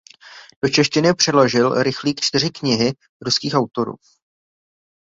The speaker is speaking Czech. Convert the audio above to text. Do češtiny přeložil Rychlík čtyři knihy ruských autorů.